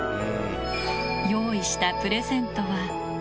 用意したプレゼントは。